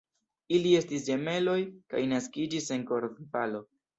Ili estis ĝemeloj kaj naskiĝis en Kornvalo.